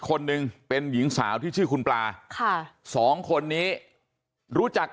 คนหนึ่งเป็นหญิงสาวที่ชื่อคุณปลาค่ะสองคนนี้รู้จัก